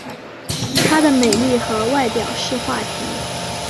她的美丽和外表是话题。